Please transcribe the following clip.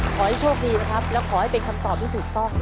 ขอให้โชคดีนะครับและขอให้เป็นคำตอบที่ถูกต้อง